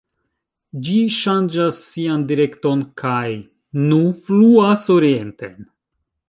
Ĝi ŝanĝas sian direkton kaj nu fluas orienten.